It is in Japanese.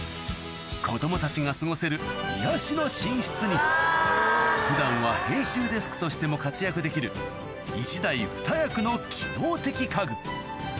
子供たちが過ごせる癒やしの寝室に普段は編集デスクとしても活躍できる１台ふた役の機能的家具